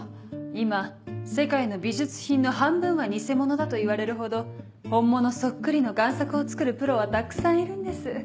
今世界の美術品の半分は偽物だといわれるほど本物そっくりの贋作を作るプロはたくさんいるんです。